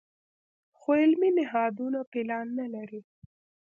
خو علمي نهادونه پلان نه لري.